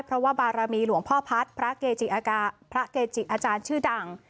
เพราะว่าบารมามีหลวงพ่อพัทพระเกติอากาศพระเกตินชื่อดั่ง